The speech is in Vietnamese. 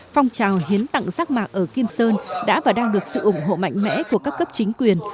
phong trào hiến tặng rác mạc ở kim sơn đã và đang được sự ủng hộ mạnh mẽ của các cấp chính quyền